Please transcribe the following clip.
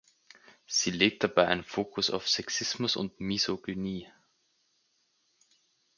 Sie legt dabei einen Fokus auf Sexismus und Misogynie.